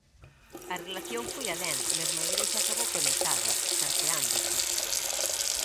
A relación foi alén, mesmo a Igrexa acabou conectada, carteándose.